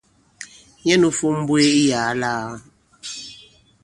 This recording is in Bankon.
Nyɛ nū fȏm m̀mbwēē iyàa lāā.